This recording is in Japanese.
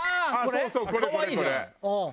そうそうこれこれこれ。